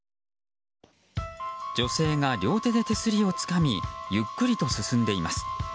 女性が両手で手すりをつかみゆっくりと進んでいます。